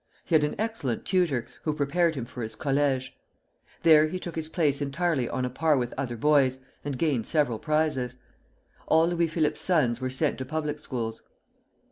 He had an excellent tutor, who prepared him for his collège. There he took his place entirely on a par with other boys, and gained several prizes. All Louis Philippe's sons were sent to public schools.